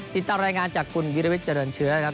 ติดตามรายงานจากคุณวิรวิทย์เจริญเชื้อครับ